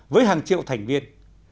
với hàng triệu thành viên